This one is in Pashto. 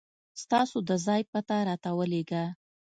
ستاسو د ځای پته راته ولېږه